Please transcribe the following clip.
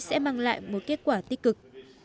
sẽ mang lại một kết quả tích cực